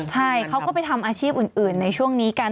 ใช่เขาก็ไปทำอาชีพอื่นในช่วงนี้กัน